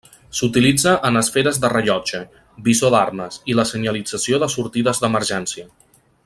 S'utilitza en esferes de rellotge, visor d'armes, i la senyalització de sortides d'emergència.